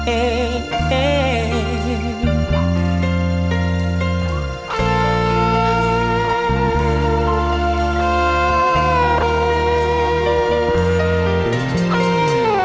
เองเอง